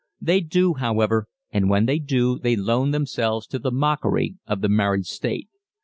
They do, however, and when they do they loan themselves to the mockery of the marriage state.